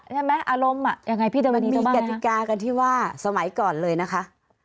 ใช่ไหมอารมณ์อ่ะยังไงพี่เดวนีต้องบ้างไหมครับมันมีกติกากันที่ว่าสมัยก่อนเลยนะคะ